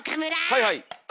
はいはい。